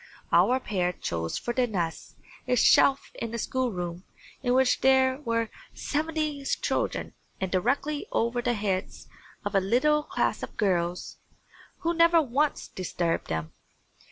Our pair chose for their nest a shelf in a schoolroom in which there were seventy children and directly over the heads of a little class of girls, who never once disturbed them.